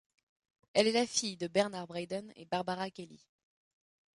Elle est la fille de Bernard Braden et Barbara Kelly.